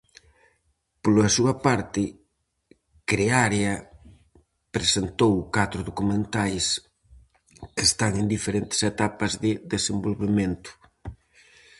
Pola súa parte Creárea presentou catro documentais que están en diferentes etapas de desenvolvemento.